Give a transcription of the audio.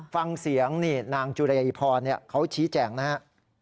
ฟังเสียงนี่นางจุรายพรเขาชี้แจงนะฮะ